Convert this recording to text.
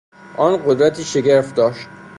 آن قدرتی شگرف داشت.